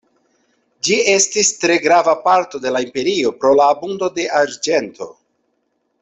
Ĝi estis tre grava parto de la imperio pro la abundo de arĝento.